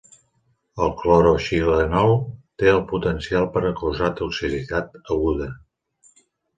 El cloroxilenol té el potencial per a causar toxicitat aguda.